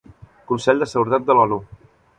Consell de Seguretat de l'ONU.